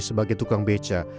sebagai tukang beca